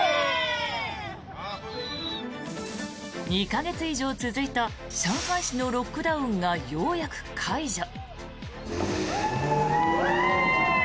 ２か月以上続いた上海市のロックダウンがようやく解除。